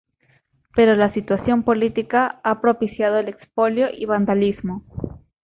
Pero la situación política ha propiciado el expolio y vandalismo.